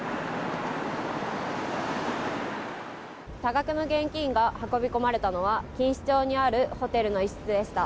多額の現金が運び込まれたのは錦糸町にあるホテルの一室でした。